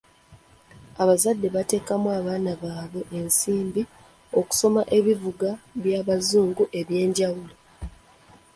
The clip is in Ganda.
Abazadde bateekamu baana baabwe ensimbi okusoma ebivuga by'abazungu eby'enjawulo.